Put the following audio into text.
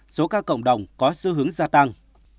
số ca cộng đồng có sư hướng gia tăng